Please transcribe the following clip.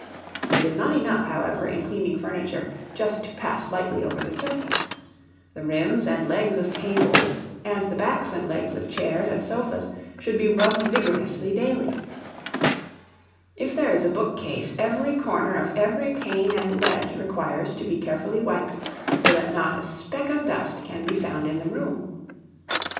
It is not enough, however, in cleaning furniture, just to pass lightly over the surface; the rims and legs of tables, and the backs and legs of chairs and sofas, should be rubbed vigorously daily; if there is a book case, every corner of every pane and ledge requires to be carefully wiped, so that not a speck of dust can be found in the room.